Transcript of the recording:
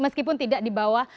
meskipun tidak di bawah